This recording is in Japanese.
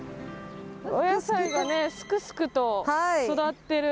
お野菜がねスクスクと育ってる。